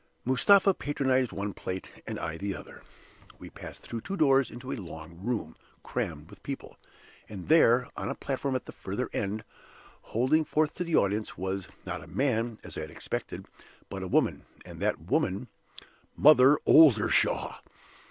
Mustapha patronized one plate, and I the other. We passed through two doors into a long room, crammed with people. And there, on a platform at the further end, holding forth to the audience, was not a man, as I had expected but a Woman, and that woman, MOTHER OLDERSHAW!